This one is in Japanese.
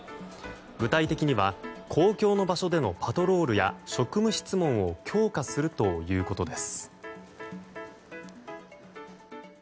具体的には公共の場所でのパトロールや職務質問を強化するということです。